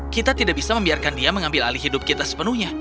kita tidak bisa membiarkan dia mengambil alih hidup kita sepenuhnya